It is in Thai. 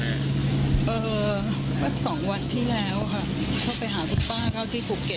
เออสองวันที่แล้วค่ะเขาไปหาอีกป้าเท่าที่ภูเก็ต